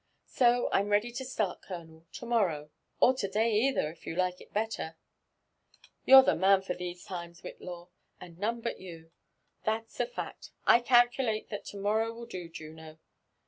So I'm ready to start, colonel, to morrow, or to day either if you like it belter," *' You're the man for these times, Whillaw, and none but you — that's a fact. I calculate that to morrow will do, Juno?